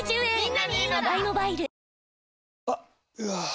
あっ、うわー。